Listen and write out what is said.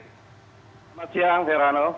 selamat siang verano